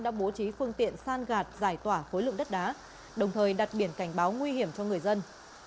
đã bố trí phương tiện san gạt giải tỏa khối lượng đất đá đồng thời đặt biển cảnh báo nguy hiểm cho người dân